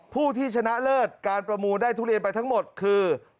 ผู้ที่ชนะเลิศการประมูลได้ทุเรียนไปทั้งหมดคือ